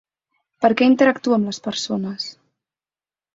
Per què interactua amb les persones?